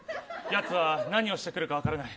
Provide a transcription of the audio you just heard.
やつは何をしてくるか分からない。